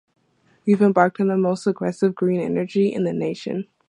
We’ve embarked on the most aggressive green energy plan in the nation.